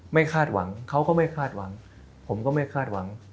คาดหวังเขาก็ไม่คาดหวังผมก็ไม่คาดหวัง